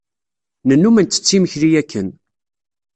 Nennum nttett imekli akken.